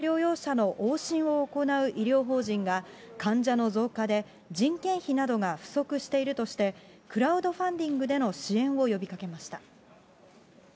新型コロナウイルスの自宅療養者の往診を行う医療法人が、患者の増加で人件費などが不足しているとして、クラウドファンディングでの支援を呼びかけました。